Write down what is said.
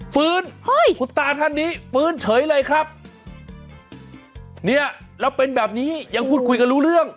ฟื้นเฮ้ยคุณตาท่านนี้ฟื้นเฉยเลยครับเนี่ยแล้วเป็นแบบนี้ยังพูดคุยกันรู้เรื่อง